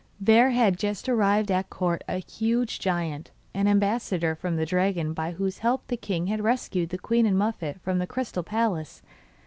There had just arrived at court a huge giant, as ambassador from the dragon by whose help the king had rescued the queen and Muffette from the crystal palace.